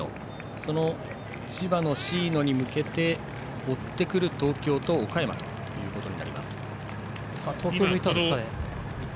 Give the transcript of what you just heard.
その千葉の椎野に向けて追ってくる東京と岡山になります。